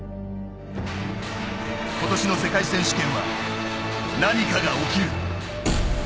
今年の世界選手権は何かが起きる。